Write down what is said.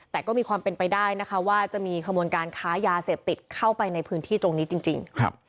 แต่ก็มีความเป็นไปได้นะคะว่าจะมีขบวนการค้ายาเสพติดเข้าไปในพื้นที่ตรงนี้จริง